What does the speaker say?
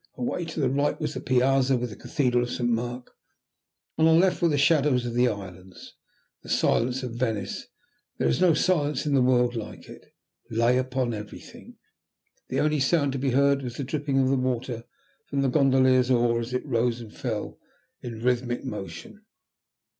Away to the right was the piazza, with the Cathedral of Saint Mark; on our left were the shadows of the islands. The silence of Venice, and there is no silence in the world like it, lay upon everything. The only sound to be heard was the dripping of the water from the gondolier's oar as it rose and fell in rhythmic motion.